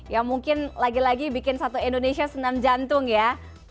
ya mungkin lagi lagi bikin satu indonesia senam jantung ya